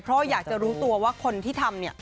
เพราะอยากจะรู้ตัวว่าคนที่ทำเนี่ย